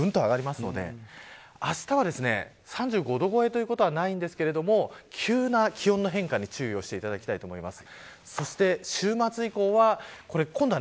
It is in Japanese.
また晴れると気温がぐんと上がるのであしたは３５度超えということはないんですけれども急な気温の変化に注意していただきたいと思います。